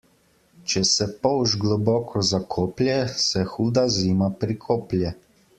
Če se polž globoko zakoplje, se huda zima prikoplje.